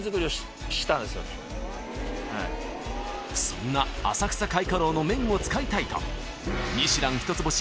［そんな浅草開化楼の麺を使いたいと『ミシュラン』一つ星